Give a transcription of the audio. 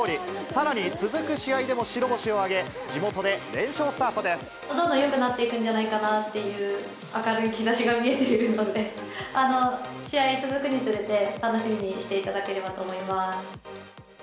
さらに続く試合でも白星を挙げ、どんどんよくなっていくんじゃないかなという、明るい兆しが見えているので、試合、続くにつれて、楽しみにしていただければと思います。